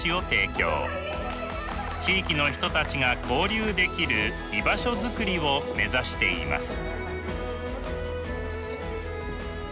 地域の人たちが交流できる居場所づくりを目指しています。